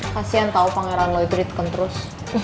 kasian tahu pangeran lo itu ditekan terus